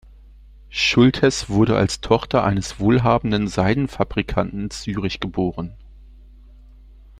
Schulthess wurde als Tochter eines wohlhabenden Seidenfabrikanten in Zürich geboren.